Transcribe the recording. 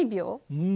うん。